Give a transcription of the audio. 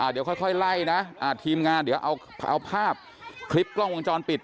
เดี๋ยวค่อยไล่นะทีมงานเดี๋ยวเอาภาพคลิปกล้องวงจรปิด